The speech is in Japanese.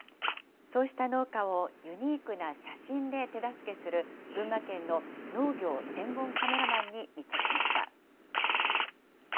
そうした農家をユニークな写真で手助けする、群馬県の農業専門カメラマンに密着しました。